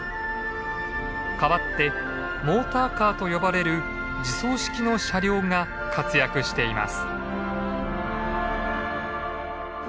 代わってモーターカーと呼ばれる自走式の車両が活躍しています。